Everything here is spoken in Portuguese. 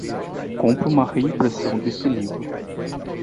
Compre uma reimpressão deste livro